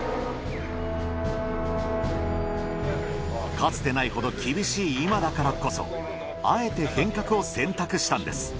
かつてないほど厳しい今だからこそあえて変革を選択したんです。